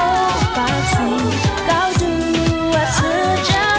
terima kasih atas perhatian saya